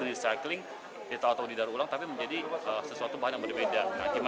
recycling atau didaur ulang tapi menjadi sesuatu bahan yang berbeda